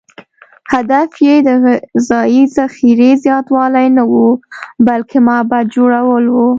هدف یې د غذایي ذخیرې زیاتوالی نه و، بلکې معبد جوړول و.